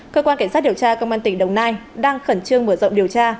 cơ quan cảnh sát điều tra công an tỉnh đồng nai đang khẩn trương mở rộng điều tra